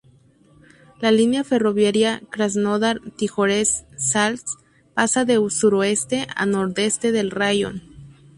La línea ferroviaria Krasnodar-Tijoretsk-Salsk pasa de suroeste a nordeste del raión.